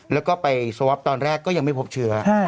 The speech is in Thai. แล้วก็ไปสวอปตอนแรกก็ยังไม่พบเชื้อ